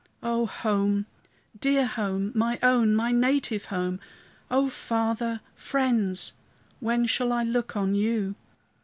O home! dear home! my own, my native home! O Father, friends! when shall I look on you?